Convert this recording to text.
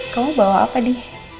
kamu bawa apa di